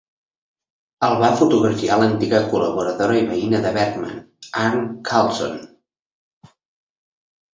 El va fotografiar l'antiga col·laboradora i veïna de Bergman, Arne Carlsson.